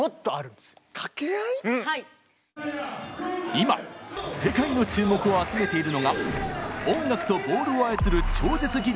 今世界の注目を集めているのが「音楽」と「ボールを操る超絶技術」の組み合わせ